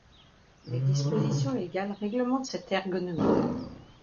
Des dispositions légales réglementent cette ergonomie.